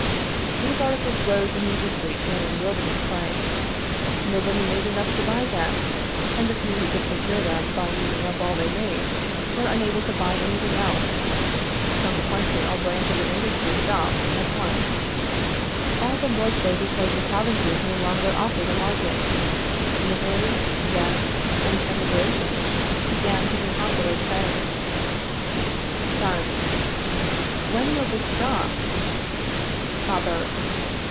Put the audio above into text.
These articles rose immediately to an exorbitant price. Nobody made enough to buy them, and the few who could procure them by using up all they made were unable to buy anything else; consequently all branches of industry stopped at once all the more so because the provinces no longer offered a market. Misery, death, and emigration began to depopulate Paris. Son. When will this stop? _Father.